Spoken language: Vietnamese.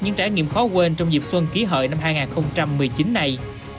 những trải nghiệm khó quên trong dịp xuân kỷ hợi năm hai nghìn một mươi chín này